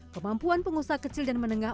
kemampuan pengusaha kecil dan menengah